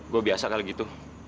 gue biasa kali gitu